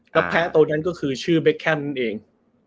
แล้วแพ้ตัวนั้นก็คือชื่อเบคแคมนั่นเอง